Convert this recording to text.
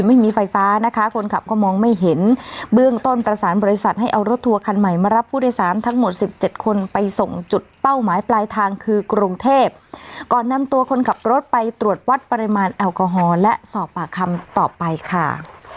ไม่มีไฟฟ้านะคะคนขับก็มองไม่เห็นเบื้องต้นประสานบริษัทให้เอารถทัวร์คันใหม่มารับผู้โดยสารทั้งหมดสิบเจ็ดคนไปส่งจุดเป้าหมายปลายทางคือกรุงเทพก่อนนำตัวคนขับรถไปตรวจวัดปริมาณแอลกอฮอล์และสอบปากคำต่อไปค่ะ